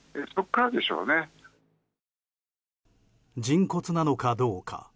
人骨なのかどうか。